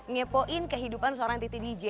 ngepoin kehidupan seorang titi dj